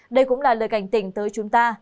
đây cũng là lời cảnh tỉnh tới chúng ta